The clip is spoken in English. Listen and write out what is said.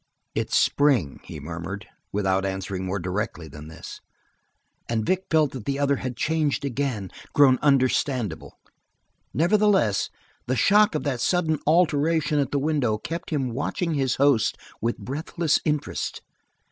"It's spring," he murmured, without answering more directly than this, and Vic felt that the other had changed again, grown understandable. Nevertheless, the shock of that sudden alteration at the window kept him watching his host with breathless interest.